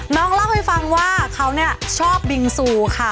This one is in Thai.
น้องเล่าให้ฟังว่าเขาชอบบิงซูค่ะ